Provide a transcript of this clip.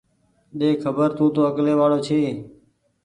ۮيکبر تونٚ تو اڪلي وآڙو ڇي